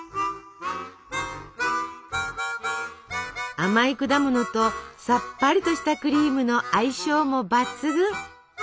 甘い果物とさっぱりとしたクリームの相性も抜群。